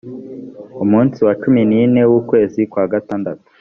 umunsi wa cumi n ine w ukwezi kwa gatandatu